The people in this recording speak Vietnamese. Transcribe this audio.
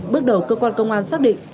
bước đầu cơ quan công an xác định